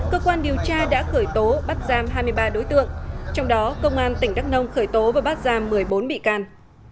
cơ quan điều tra đã khởi tố bắt giam hai mươi ba đối tượng trong đó công an tỉnh đắk nông khởi tố và bắt giam một mươi bốn bị can